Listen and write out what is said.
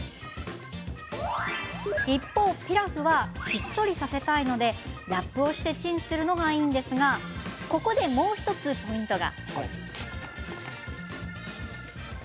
一方、ピラフはしっとりさせたいのでラップをしてチンするのがいいんですがここでもう１つ、ポイントが。